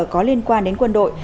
có liên quan đến quân đội